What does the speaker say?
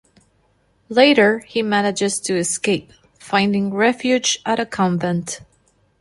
Later, he manages to escape, finding refuge at a convent.